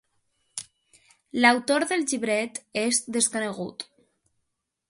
L'autor del llibret és desconegut.